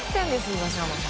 東山さん。